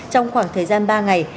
trong khoảng thời gian ba ngày